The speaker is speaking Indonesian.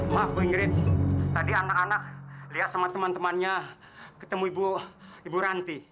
maaf bu ingrid tadi anak anak lihat sama teman temannya ketemu ibu ranti